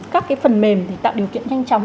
các cái phần mềm tạo điều kiện nhanh chóng